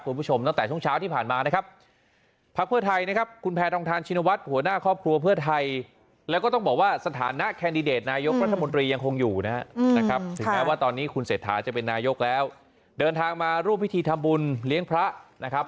คุณผู้ชมตั้งแต่ช่วงเช้าที่ผ่านมานะครับ